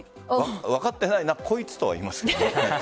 分かってないなコイツとは言いますけど。